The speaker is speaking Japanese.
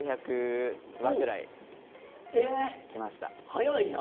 早いな！